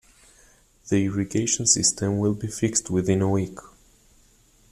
The irrigation system will be fixed within a week.